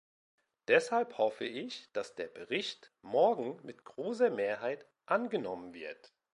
Deshalb hoffe ich, dass der Bericht morgen mit großer Mehrheit angenommen wird.